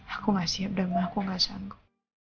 aku gak siap dan aku gak sanggup